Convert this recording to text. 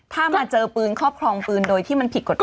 ถ้ามาเจอปืนครอบครองปืนโดยที่มันผิดกฎหมาย